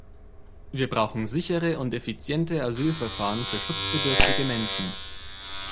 Wir brauchen sichere und effiziente Asylverfahren für schutzbedürftige Menschen.